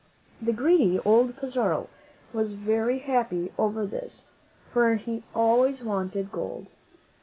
The greedy old Pizarro was very happy over this, for he always wanted gold.